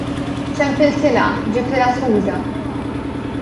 Ċempiltilha, ġibtilha skuża.